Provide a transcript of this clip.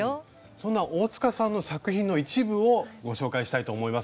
そんな大さんの作品の一部をご紹介したいと思います。